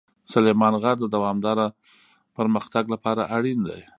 سلیمان غر د دوامداره پرمختګ لپاره اړین دی.